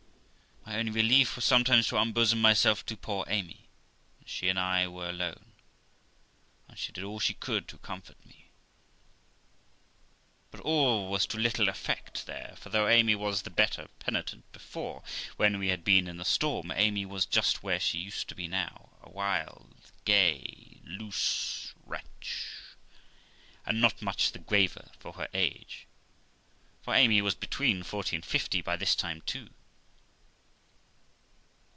My only relief was sometimes to unbosom myself to poor Amy, when she and I was alone; and she did all she could to comfort me. But all was to little effect there ; for, though Amy was the better penitent before, when we had been in the storm, Amy was just where she used to be now, a wild, gay, loose wretch, and not much the graver for her age; for Amy was between forty and fifty by this time too.